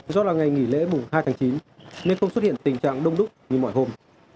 do là ngày nghỉ lễ mùng hai tháng chín nên tôi xuất hiện tình trạng đông đúc như mọi hôm